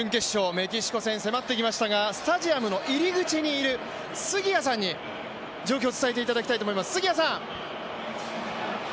メキシコ戦迫ってきましたがスタジアムの入り口にいる杉谷さんに状況伝えてもらいたいと思います。